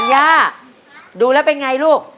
ย่าดูแล้วเป็นไงลูก